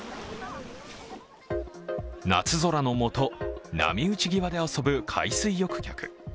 夏空のもと、波打ち際で遊ぶ海水浴客。